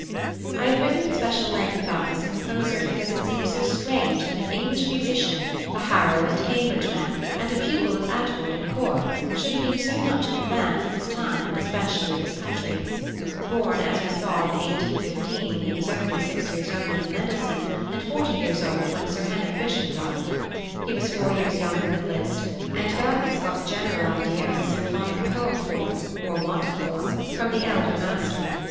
I have written at special length about this composer, because it seems so strange that an English musician, a Harrow and Cambridge man, and a pupil of Attwood and Corfe, should have been so much in advance of his time and especially of his country. Born, as we saw, in 1815, he was only six years younger than Mendelssohn, and forty years old when Sir Henry Bishop died. He was four years younger than Liszt, and doubtless got the general idea of the symphonic poem form, or want of form, from the elder master.